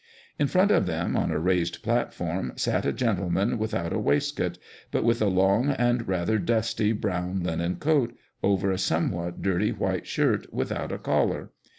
In front of them on a raised platform, sat a gentleman with out a waistcoat, but with a long and rather dusty brown linen coat, over a somewhat dirty white shirt without a collar.